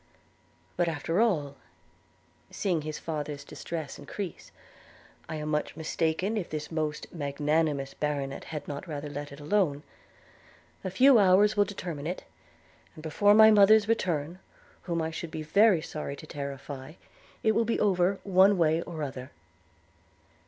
But after all (seeing his father's distress increase), I am much mistaken if this most magnanimous baronet had not rather let it alone – A few hours will determine it; and before my mother's return, whom I should be very sorry to terrify, it will be over, one way or other.'